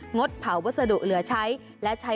งดเผาวัสดุเหลือใช้